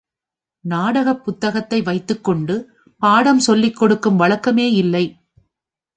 நாடகப் புத்தகத்தை வைத்துக் கொண்டு பாடம் சொல்லிக் கொடுக்கும் வழக்கமேயில்லை.